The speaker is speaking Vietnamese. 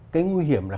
cái nguy hiểm là